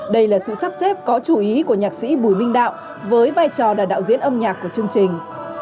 đây là sự sắp xếp có chú ý của nhạc sĩ bùi minh đạo với vai trò là đạo diễn âm nhạc của chương trình